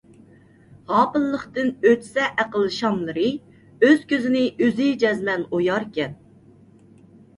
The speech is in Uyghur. غاپىللىقتىن ئۆچسە ئەقىل شاملىرى، ئۆز كۆزىنى ئۆزى جەزمەن ئوياركەن ...